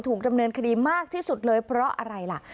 ถูกดำเนินคดีมากที่สุดเลยเพราะอะไรล่ะ